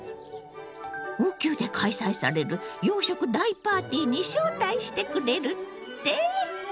王宮で開催される洋食大パーティーに招待してくれるって？